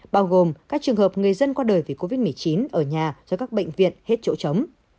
bao gồm các trường hợp người dân qua đời vì covid một mươi chín ở nhà do các bệnh viện hết chỗ chống